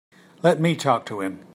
Let me talk to him.